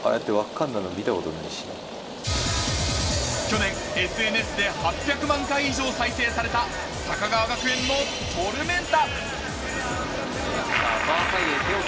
去年ＳＮＳで８００万回以上再生された高川学園のトルメンタ。